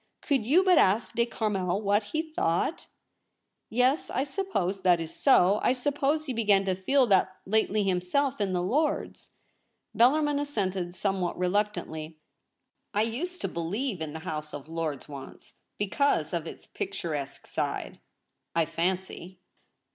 Could you but ask De Carmel what he thought !'' Yes, I suppose that is so ; I suppose he began to feel that lately himself in the Lords,' Bellarmin assented somewhat reluctantly. * I used to believe in the House of Lords once, because of its picturesque side, I fancy.